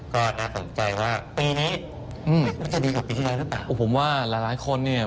ก็น่าสนใจว่าปีนี้มันจะดีกว่าปีที่แล้วหรือเปล่า